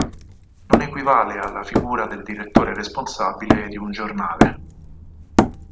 Non equivale alla figura del direttore responsabile di un giornale.